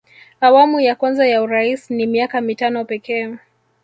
awamu ya kwanza ya urais ni miaka mitano pekee